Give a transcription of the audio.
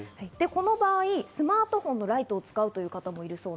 この場合、スマートフォンのライトを使うという方もいます。